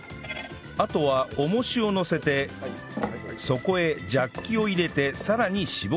あとは重しをのせてそこへジャッキを入れてさらに搾り出します